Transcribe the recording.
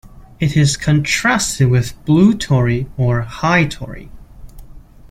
It is contrasted with "Blue Tory" or "High Tory".